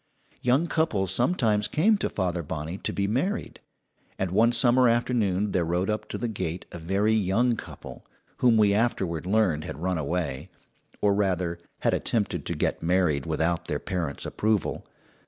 Young couples sometimes came to Father Bonney to be married; and one summer afternoon there rode up to the gate a very young couple, whom we afterward learned had "run away," or rather, had attempted to get married without their parents' approval.